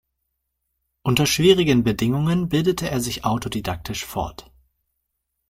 Unter schwierigen Bedingungen bildete er sich autodidaktisch fort.